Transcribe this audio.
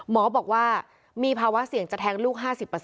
หมอบอกว่ามีภาวะเสี่ยงจะแทงลูก๕๐